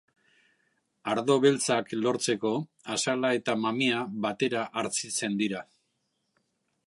Ardo beltzak lortzeko azala eta mamia batera hartzitzen dira.